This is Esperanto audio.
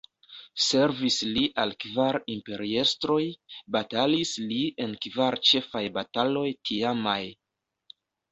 Servis li al kvar imperiestroj, batalis li en kvar ĉefaj bataloj tiamaj.